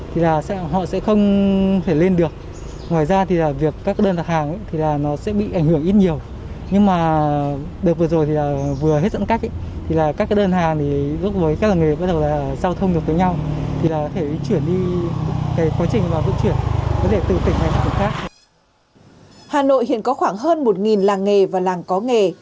hà nội hiện có khoảng hơn một làng nghề và làng có nghề